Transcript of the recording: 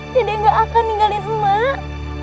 dede gak akan tinggalin emak